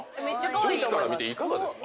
女子から見ていかがですか？